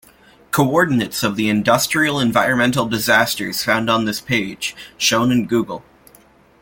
Coordinates of the Industrial Environmental Disasters found on this page, shown in Google.